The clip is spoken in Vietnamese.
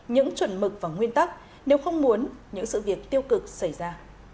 những chuẩn mực và nguyên tắc nếu không muốn những sự việc tiêu cực xảy ra